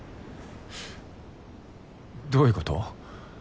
どういうこと？